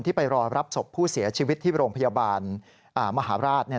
ไปรอรับศพผู้เสียชีวิตที่โรงพยาบาลมหาราช